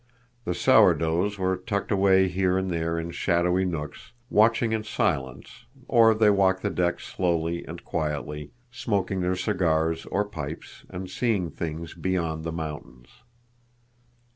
The sour doughs were tucked away here and there in shadowy nooks, watching in silence, or they walked the deck slowly and quietly, smoking their cigars or pipes, and seeing things beyond the mountains.